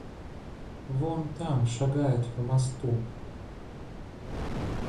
Вон там шагает по мосту...